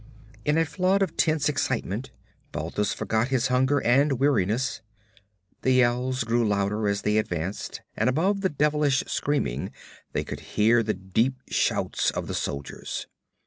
In a flood of tense excitement Balthus forgot his hunger and weariness. The yells grew louder as they advanced, and above the devilish screaming they could hear the deep shouts of the soldiers.